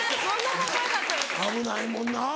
危ないもんなぁ。